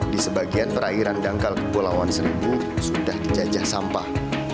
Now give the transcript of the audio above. di sebagian perairan dangkal kepulauan seribu sudah dijajah sampah